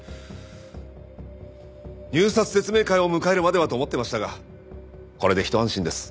入札説明会を迎えるまではと思ってましたがこれでひと安心です。